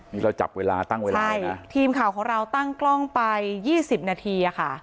นี่เราจับเวลาตั้งเวลาใช่ทีมข่าวของเราตั้งกล้องไปยี่สิบนาทีอะค่ะ